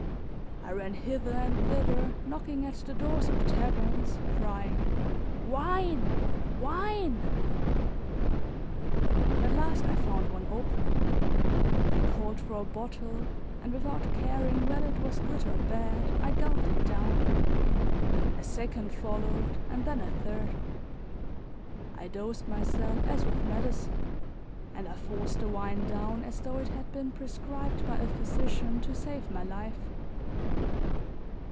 I ran hither and thither knocking at the doors of taverns crying: "Wine! Wine!" At last I found one open; I called for a bottle and without caring whether it was good or bad I gulped it down; a second followed and then a third. I dosed myself as with medicine, and I forced the wine down as though it had been prescribed by a physician to save my life.